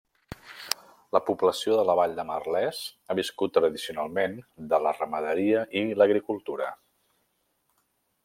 La població de la vall de Merlès ha viscut tradicionalment de la ramaderia i l'agricultura.